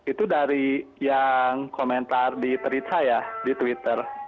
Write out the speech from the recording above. itu dari yang komentar di tweet saya di twitter